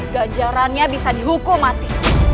ganjarannya bisa dihukum mati